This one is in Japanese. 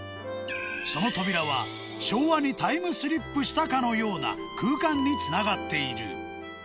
その扉は、昭和にタイムスリップしたかのような空間につながっている。